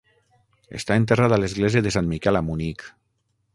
Està enterrat a l'església de Sant Miquel a Munic.